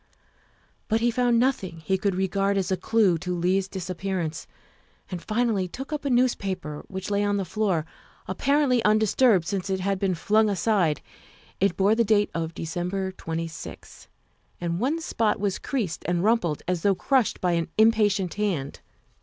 But he found nothing he could regard as a clue to Leigh's disappearance, and finally took up a newspaper which lay on the floor, apparently undisturbed since it had been flung aside. It bore the date of December 26th, and one spot was creased and rumpled as though crushed by an impatient hand.